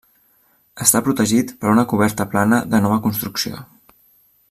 Està protegit per una coberta plana de nova construcció.